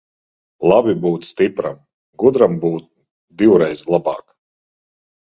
Labi būt stipram, gudram būt divreiz labāk.